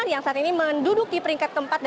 yang saat ini menduduki peringkat keempat